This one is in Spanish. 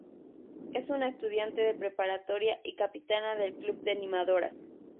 Es una estudiante de preparatoria y capitana del club de animadoras.